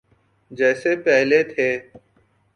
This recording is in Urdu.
جیسے پہلے تھے۔